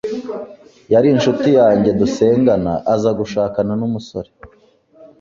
yari inshuti yanjye dusengana aza gushakana n’umusore